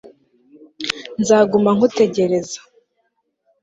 nzaguma nkutegereza